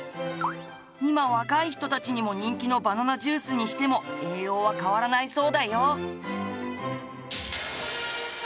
今若い人たちにも人気のバナナジュースにしても栄養は変わらないそうだよ。